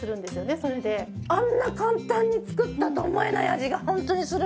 それであんな簡単に作ったとは思えない味がホントにする！